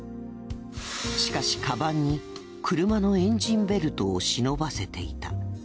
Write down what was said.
しかしカバンに車のエンジンベルトを忍ばせていた。